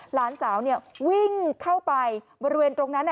หลานสาววิ่งเข้าไปบริเวณตรงนั้น